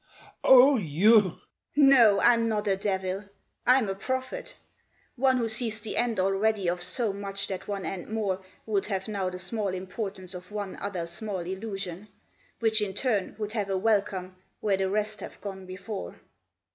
"Oh, you devil! ... Oh, you. ..." "No, I'm not a devil, I'm a prophet One who sees the end already of so much that one end more Would have now the small importance of one other small illusion, Which in turn would have a welcome where the rest have gone before.